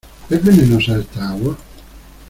¿ es venenosa esta agua?